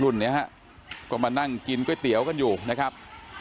ฮะก็มานั่งกินก๋วยเตี๋ยวกันอยู่นะครับ